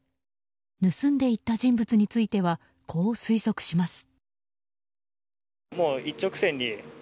盗んでいった人物についてはこう推測します。